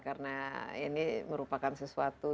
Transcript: karena ini merupakan sesuatu